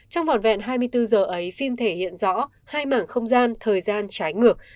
trong vỏn vẹn hai mươi bốn h ấy phim thể hiện rõ hai mảng không gian thời gian trái ngược